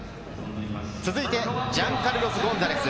続いて、ジャンカルロス・ゴンザレス。